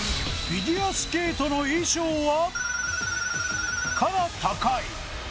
「フィギュアスケートの衣装は」